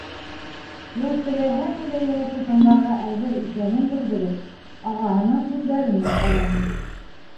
Ул, теләһә ниндәй йомошто тыңларға әҙер икәнен белдереп, ағаһының күҙҙәренә ҡараны.